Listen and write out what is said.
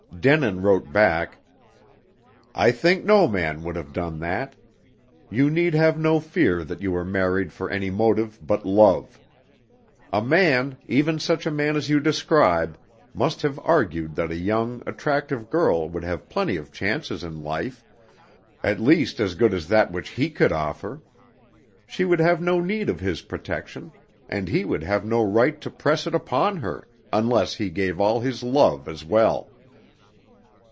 Denin wrote back, "I think no man would have done that. You need have no fear that you were married for any motive but love. A man even such a man as you describe must have argued that a young, attractive girl would have plenty of chances in life, at least as good as that which he could offer. She would have no need of his protection, and he would have no right to press it upon her, unless he gave all his love as well."